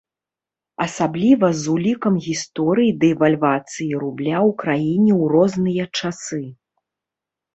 Асабліва з улікам гісторый дэвальвацыі рубля ў краіне ў розныя часы.